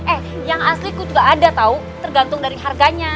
eh yang asli kut gak ada tau tergantung dari harganya